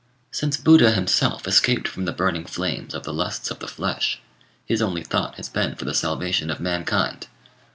"Since Buddha himself escaped from the burning flames of the lusts of the flesh, his only thought has been for the salvation of mankind.